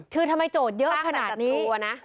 คือทำไมโจทย์เยอะขนาดนี้กลัวนะ